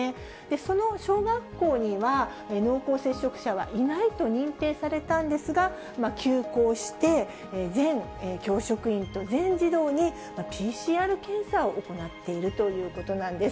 その小学校には濃厚接触者はいないと認定されたんですが、休校して、全教職員と全児童にＰＣＲ検査を行っているということなんです。